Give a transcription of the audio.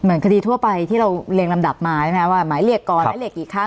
คดีทั่วไปที่เราเรียงลำดับมาใช่ไหมคะว่าหมายเรียกก่อนแล้วเรียกกี่ครั้ง